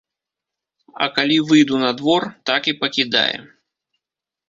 А калі выйду на двор, так і пакідае.